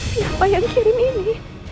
siapa yang kirim ini